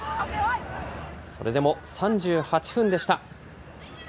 それでも３８分でした。